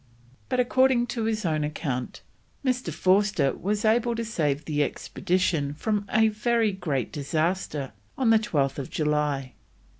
But, according to his own account, Mr. Forster was able to save the expedition from a very great disaster on 12th July.